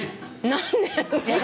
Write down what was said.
何で？